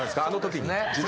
あのときに。